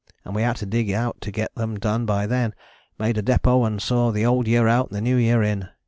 and we had to dig out to get them done by then, made a depôt and saw the old year out and the new year in.